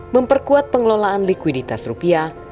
memperkuat pengelolaan likuiditas rupiah